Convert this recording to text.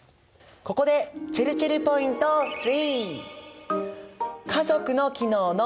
ここでちぇるちぇるポイント３。